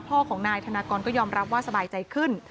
พ่อของนายธนากรก็ยอมรับว่าสบายใจขึ้น